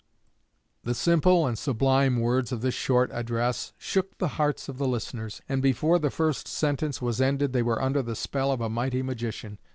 The simple and sublime words of this short address shook the hearts of the listeners, and before the first sentence was ended they were under the spell of a mighty magician.